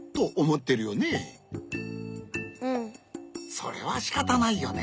それはしかたないよね。